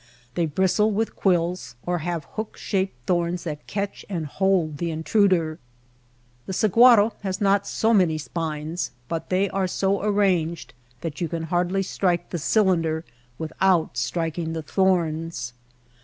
They bristle with quills or have hook shaped thorns that catch and hold the intruder. The sahuaro has not so many spines, but they are so arranged that you can hardly strike the cylinder without striking the thorns.